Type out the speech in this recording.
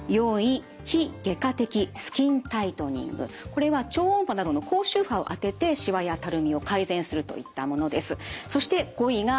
これは超音波などの高周波を当ててしわやたるみを改善するといったものです。